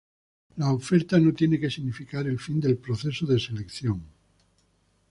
La oferta no tiene que significar el fin del proceso de selección.